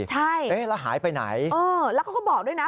ใช่แล้วหายไปไหนอือแล้วก็เขาบอกด้วยนะ